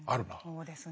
そうですね。